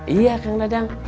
iya kang dadang